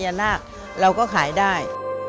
นาคเราก็ขายได้